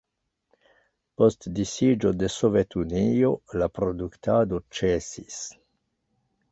Post disiĝo de Sovetunio, la produktado ĉesis.